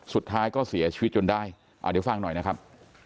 สุดท้ายก็เสียชีวิตจนได้เดี๋ยวฟังหน่อยนะครับ